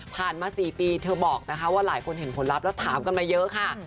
มา๔ปีเธอบอกนะคะว่าหลายคนเห็นผลลัพธ์แล้วถามกันมาเยอะค่ะ